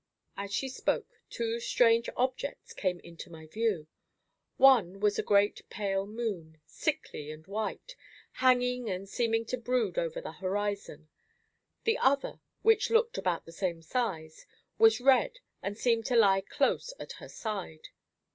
As she spoke two strange objects came into my view. One was a great pale moon, sickly and white, hanging and seeming to brood over the horizon; the other, which looked about the same size, was red and seemed to lie close at her side.